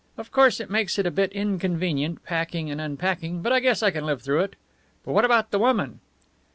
Of course it makes it a bit inconvenient, packing and unpacking; but I guess I can live through it. But what about the woman?"